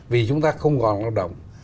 vì chúng ta không còn lao động